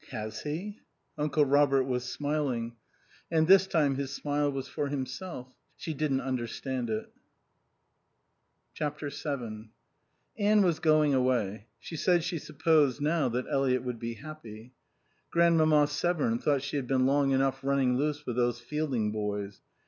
"Has he?" Uncle Robert was smiling. And this time his smile was for himself. She didn't understand it. vii Anne was going away. She said she supposed now that Eliot would be happy. Grandmamma Severn thought she had been long enough running loose with those Fielding boys.